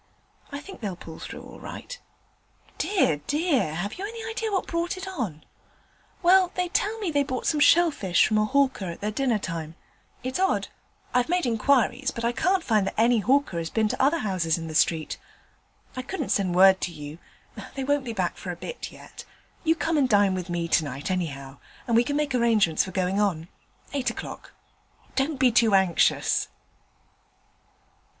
I think they'll pull through all right.' 'Dear, dear! Have you any idea what brought it on?' 'Well, they tell me they bought some shell fish from a hawker at their dinner time. It's odd. I've made inquiries, but I can't find that any hawker has been to other houses in the street. I couldn't send word to you; they won't be back for a bit yet. You come and dine with me tonight, anyhow, and we can make arrangements for going on. Eight o'clock. Don't be too anxious.'